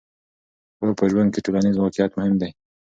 هو، په ژوند کې ټولنیز واقعیت مهم دی.